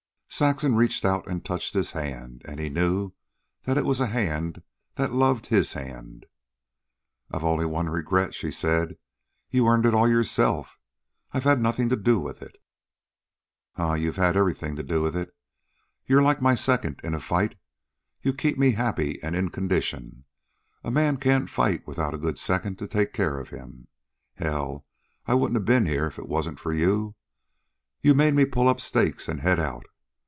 Saxon reached out and touched his hand, and he knew that it was a hand that loved his hand. "I've only one regret," she said. "You've earned it all yourself. I've had nothing to do with it." "Huh! you've had everything to do with it. You're like my second in a fight. You keep me happy an' in condition. A man can't fight without a good second to take care of him. Hell, I wouldn't a ben here if it wasn't for you. You made me pull up stakes an' head out.